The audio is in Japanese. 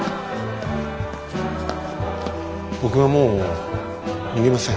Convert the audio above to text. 僕はもう逃げません。